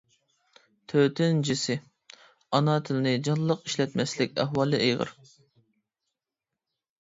تۆتىنچىسى، ئانا تىلنى جانلىق ئىشلەتمەسلىك ئەھۋالى ئېغىر.